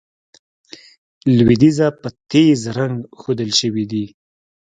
لوېدیځه په تېز رنګ ښودل شوي دي.